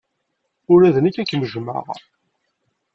Ula d nekk ad kem-jjmeɣ.